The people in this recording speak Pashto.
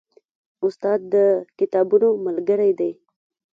استاد د کتابونو ملګری دی.